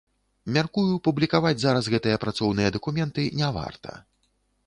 Мяркую, публікаваць зараз гэтыя працоўныя дакументы не варта.